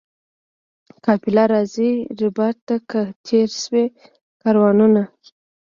قافله راځي ربات ته که تېر سوي کاروانونه؟